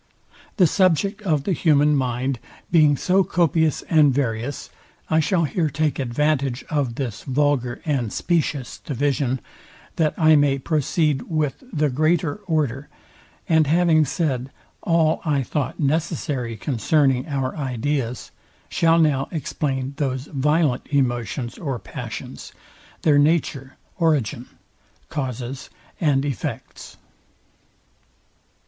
The subject of the human mind being so copious and various, I shall here take advantage of this vulgar and spacious division, that I may proceed with the greater order; and having said all I thought necessary concerning our ideas, shall now explain those violent emotions or passions, their nature, origin, causes, and effects.